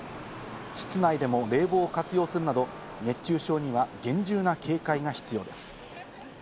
室内でも冷房を活用するなど、熱中症には厳重な警戒が必要です。